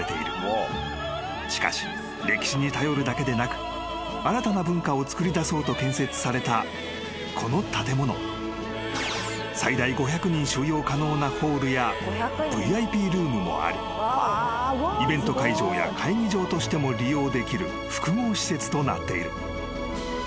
［しかし歴史に頼るだけでなく新たな文化をつくりだそうと建設されたこの建物］［最大５００人収容可能なホールやＶＩＰルームもありイベント会場や会議場としても利用できる複合施設となっている］